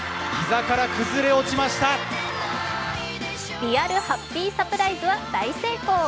リアルハッピーサプライズは大成功。